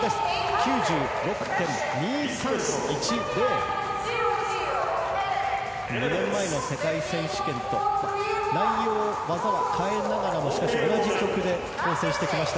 ９６．２３１０。２年前の世界選手権と内容、技は変えながらも、同じ曲で構成してきました。